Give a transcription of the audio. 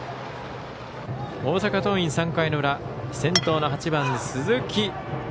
大阪桐蔭、３回の裏先頭の８番、鈴木。